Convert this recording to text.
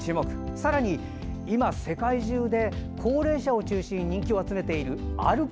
さらに今、世界中で高齢者を中心に人気を集めている歩く